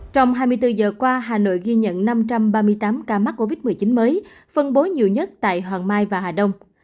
trong hai mươi bốn giờ qua hà nội ghi nhận năm trăm ba mươi tám ca mắc covid một mươi chín mới phân bố nhiều nhất tại hoàng mai và hà đông